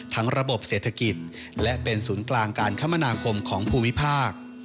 ระบบเศรษฐกิจและเป็นศูนย์กลางการคมนาคมของภูมิภาค